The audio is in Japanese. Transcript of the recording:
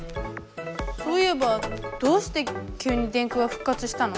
そういえばどうしてきゅうに電空がふっ活したの？